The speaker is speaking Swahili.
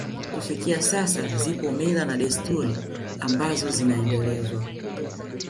Kufikia sasa zipo mila na desturi ambazo zinaendelezwa